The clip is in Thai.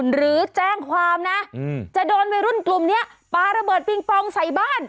หรือแจ้งความนะจะโดนวัยรุ่นกลุ่มนี้ปลาระเบิดปิงปองใส่บ้าน